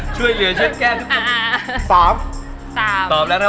ชัวร์ใจที่๓ค่ะ